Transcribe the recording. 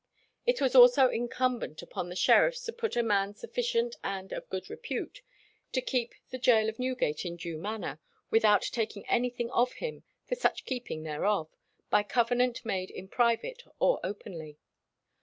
It was also incumbent upon the sheriffs to put "a man sufficient, and of good repute, to keep the gaol of Newgate in due manner, without taking anything of him for such keeping thereof, by covenant made in private or openly."